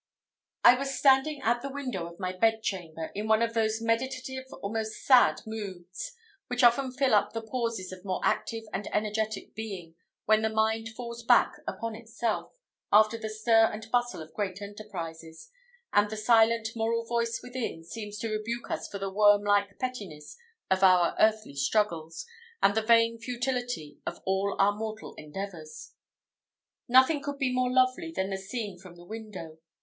I was standing at the window of my bedchamber, in one of those meditative, almost sad moods, which often fill up the pauses of more active and energetic being, when the mind falls back upon itself, after the stir and bustle of great enterprises, and the silent moral voice within seems to rebuke us for the worm like pettiness of our earthly struggles, and the vain futility of all our mortal endeavours. Nothing could be more lovely than the scene from the window.